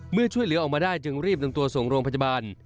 ช่วยเหลือออกมาได้จึงรีบนำตัวส่งโรงพยาบาล